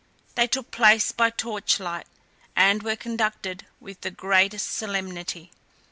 They took place by torchlight, and were conducted with the greatest solemnity.